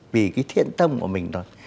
vì cái thiện tâm của mình thôi